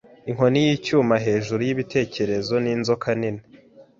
inkoni yicyuma hejuru yibitekerezo nkinzoka nini